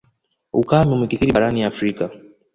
Ukame umekithiri barani Afrika.